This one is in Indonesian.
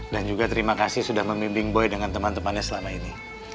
dan juga terima kasih sudah membimbing boy dengan teman temannya selama ini